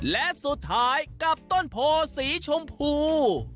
และสุดท้ายกับต้นโพสีชมพู